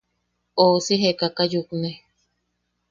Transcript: Ousi jekaka yukne.